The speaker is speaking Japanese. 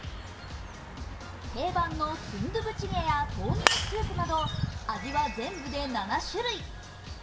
定番のスンドゥブチゲや豆乳スープなど、味は全部で７種類。